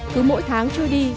cứ mỗi tháng chưa đi